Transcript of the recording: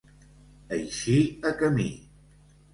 Eixir a camí.